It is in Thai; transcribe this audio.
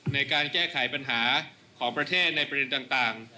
ในการแก้ไขปัญหาของประเทศในประเด็นต่าง